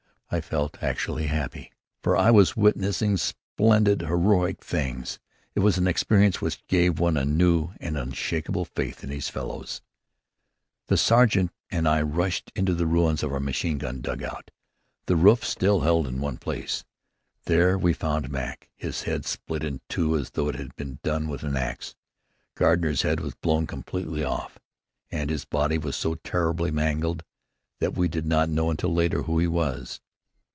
I felt actually happy, for I was witnessing splendid heroic things. It was an experience which gave one a new and unshakable faith in his fellows. The sergeant and I rushed into the ruins of our machine gun dugout. The roof still held in one place. There we found Mac, his head split in two as though it had been done with an axe. Gardner's head was blown completely off, and his body was so terribly mangled that we did not know until later who he was.